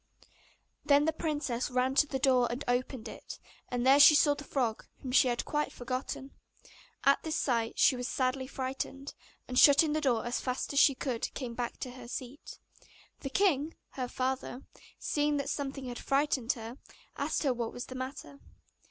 Then the princess ran to the door and opened it, and there she saw the frog, whom she had quite forgotten. At this sight she was sadly frightened, and shutting the door as fast as she could came back to her seat. The king, her father, seeing that something had frightened her, asked her what was the matter.